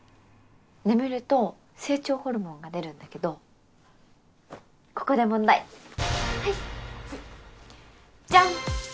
眠ると成長ホルモンが出るんだけどここで問題はいじゃん！